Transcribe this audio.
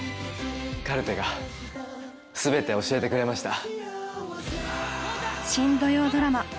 カルテが全て教えてくれました。